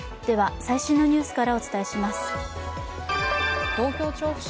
最新のニュースからお伝えします。